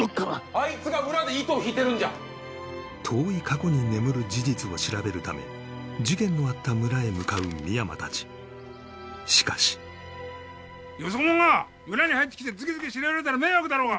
・あいつが裏で糸を引いてるんじゃ遠い過去に眠る事実を調べるため事件のあった村へ向かう深山達しかしよそ者が村に入ってきてズケズケ調べられたら迷惑だろうが！